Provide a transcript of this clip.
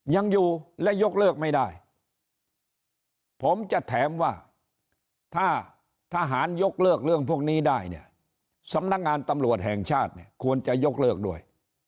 ยังอยู่และยกเลิกไม่ได้ผมจะถามว่าถ้าทหารยกเลิกเรื่องพวกนี้ได้เนี่ยสำนักงานตำรวจแห่งชาติเนี่ยควรจะยกเลิกด้วย